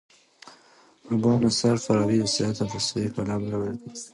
ابو نصر فارابي د سیاست او فلسفې پلار بلل کيږي.